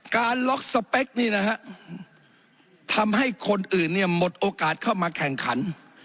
การล็อกสเปคนี่นะฮะทำให้คนอื่นเนี่ยหมดโอกาสเข้ามาแข่งขัน